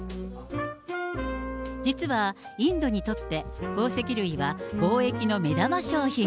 実はインドにとって宝石類は貿易の目玉商品。